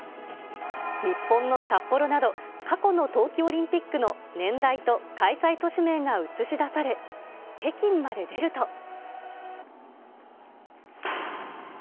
日本の札幌など、過去の冬季オリンピックの年代と開催都市名が映し出され、北京まで出ると。